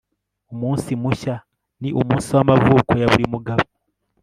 umunsi mushya ni umunsi w'amavuko ya buri mugabo